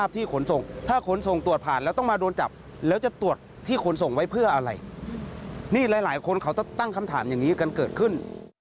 ที่ส่งไว้เพื่ออะไรนี่หลายคนเขาต้องตั้งคำถามอย่างนี้กันเกิดขึ้น